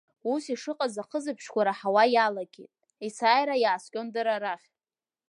Ус ишыҟаз ахысыбжьқәа раҳауа иалагеит, есааира иааскьон дара рахь.